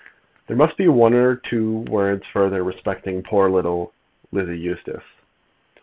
There must be one or two words further respecting poor little Lizzie Eustace.